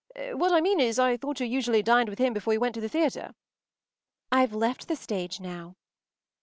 What I mean is—I thought you usually dined with him before you went to the theatre.” “I’ve left the stage now.